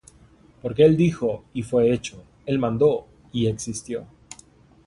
Porque él dijo, y fué hecho; El mandó, y existió.